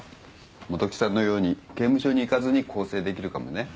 元木さんのように刑務所に行かずに更生できるかもね。